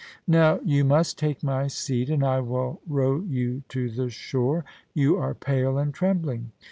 Now, you must take my seat, and I will row you to the shore. You are pale and trembling.